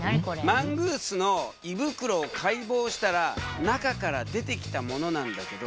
マングースの胃袋を解剖したら中から出てきたものなんだけどこれ何だと思う？